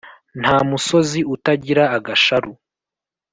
Nta musozi utagira agasharu